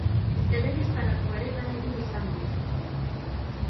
Telebistarako ere lan egin izan du.